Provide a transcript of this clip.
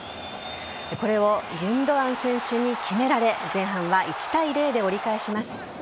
これをギュンドアン選手に決められ前半は１対０で折り返します。